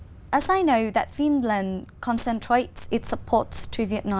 các bức bản cuối cùng tôi đã đọc là